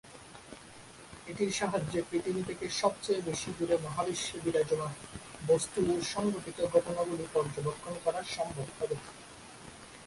এটির সাহায্যে পৃথিবী থেকে সবচেয়ে বেশি দূরে মহাবিশ্বে বিরাজমান বস্তু ও সংঘটিত ঘটনাগুলি পর্যবেক্ষণ করা সম্ভব হবে।